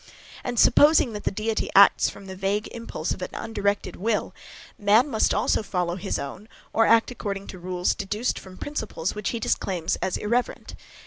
And, supposing that the Deity acts from the vague impulse of an undirected will, man must also follow his own, or act according to rules, deduced from principles which he disclaims as irreverent.